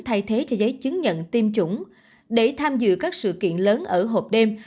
thay thế cho giấy chứng nhận tiêm chủng để tham dự các sự kiện lớn ở hộp đêm